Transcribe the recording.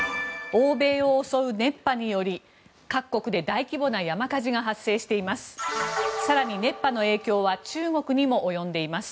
欧米を襲う熱波により各国で大規模な山火事が発生しています。